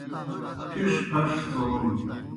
پِھش پَھش تھون